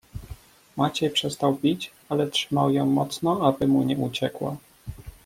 "Maciej przestał bić, ale trzymał ją mocno, aby mu nie uciekła."